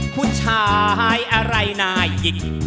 ผู้ชายอะไรนายิ